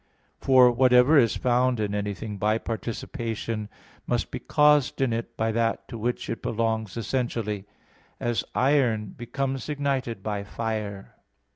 For whatever is found in anything by participation, must be caused in it by that to which it belongs essentially, as iron becomes ignited by fire.